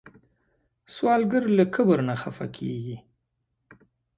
سوالګر له کبر نه خفه کېږي